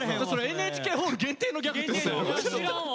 ＮＨＫホール限定のギャグってことよ。